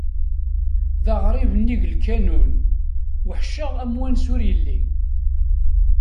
D aɣrib nnig lkanun, weḥceɣ amwanes ur yelli.